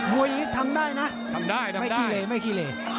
บวยอย่างนี้ทำได้นะทำได้ทำได้ไม่ขี้เหล่ไม่ขี้เหล่